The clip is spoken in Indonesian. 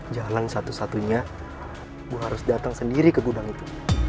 jalan satu satunya gue harus datang sendiri ke gudang itu